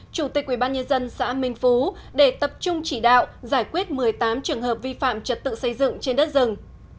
chủ tịch ubnd xã minh phú để tập trung chỉ đạo giải quyết một mươi tám trường hợp vi phạm trật tự xây dựng trên đất rừng